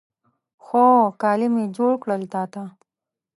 خو، کالي مې جوړ کړل تا ته